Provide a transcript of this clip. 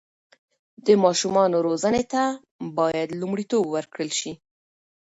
د ماشومانو روزنې ته باید لومړیتوب ورکړل سي.